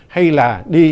hay là đi